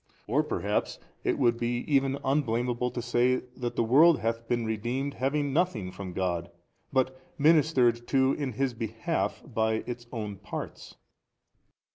or perhaps it would be even unblameable to say that the world hath been redeemed, having nothing from God but, ministered to in this behalf by its own parts.